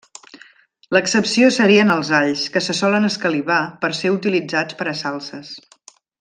L'excepció serien els alls, que se solen escalivar per ser utilitzats per a salses.